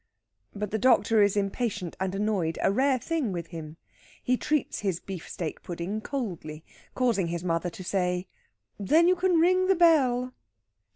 But the doctor is impatient and annoyed a rare thing with him. He treats his beefsteak pudding coldly, causing his mother to say: "Then you can ring the bell."